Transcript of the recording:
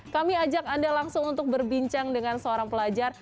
kami ajak anda langsung untuk berbincang dengan seorang pelajar